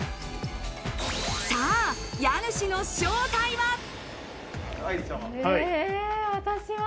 さぁ、家主の正体は？